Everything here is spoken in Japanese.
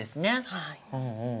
はい。